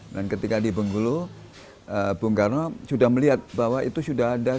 dan ketika di bengkulu bung karno sudah melihat bahwa itu sudah ada